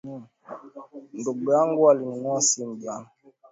Ndugu yangu alinunua simu jana